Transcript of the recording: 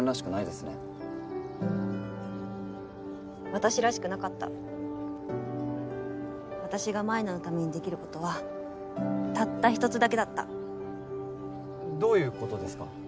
私らしくなかった私が舞菜のためにできることはたった１つだけだったどういうことですか？